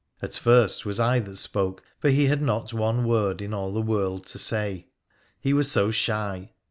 At first 'twas I that spoke, for he had not one word in all the world to say — he was so shy.